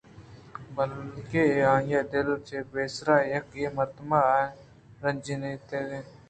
بلکیں آئی ءِ دل چہ پیسرا اے مردماں رنجیتگ اَت